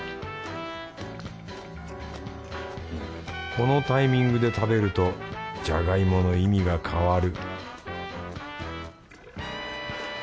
このタイミングで食べるとジャガイモの意味が変わる